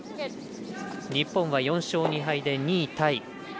日本は４勝２敗で２位タイ。